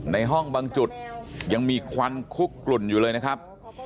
ในห้องบางจุดยังมีควันคุกกลุ่นอยู่เลยนะครับ